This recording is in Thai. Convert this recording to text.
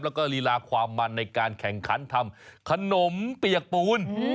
แล้วก็ลีลาความมันในการแข่งขันทำขนมเปียกปูน